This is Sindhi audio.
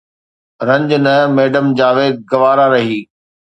رنج نه ميڊم جاويد گوارا رهي